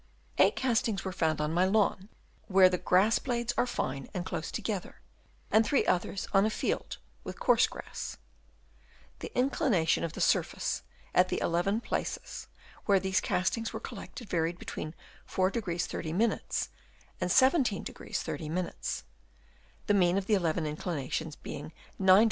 Eight castings were found on my lawn, where the grass blades are fine and close together, and three others on a field with coarse grass. The inclination of the surface at the eleven places where these castings were collected varied between 4° 30' and 17° 30'; the mean of the eleven inclinations being 9° 26'.